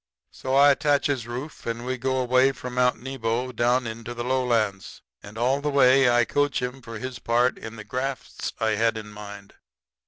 "So I attaches Rufe, and we go away from Mount Nebo down into the lowlands. And all the way I coach him for his part in the grafts I had in mind.